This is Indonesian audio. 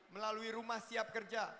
melalui rumah siap kerja